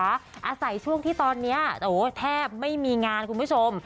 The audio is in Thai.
อาศัยช่วงที่ตอนนี้แทบไม่มีงานคุณผู้ชม